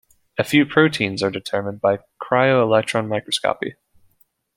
A few proteins are determined by cryo-electron microscopy.